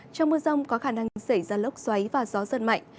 trong mưa rông có khả năng xảy ra lốc xoáy và gió giật mạnh